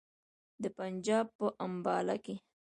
د پنجاب په امباله کې.